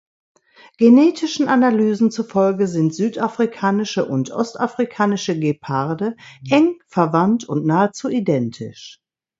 Genetischen Analysen zufolge sind Südafrikanische und Ostafrikanische Geparde eng verwandt und nahezu identisch.